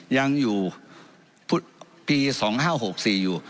ยังอยู่ปี๒๕๖๔อยู่